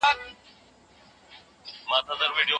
د دوی په خپلو کارونو کې بې مطالعې وو.